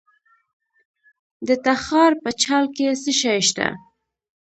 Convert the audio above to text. د تخار په چال کې څه شی شته؟